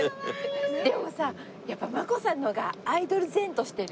でもさやっぱ真子さんの方がアイドル然としてる。